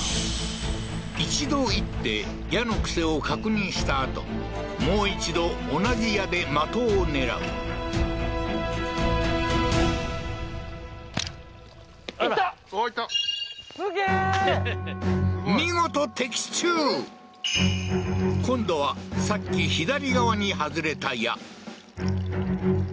一度射って矢の癖を確認したあともう一度同じ矢で的を狙うおおー行った見事今度はさっき左側に外れた矢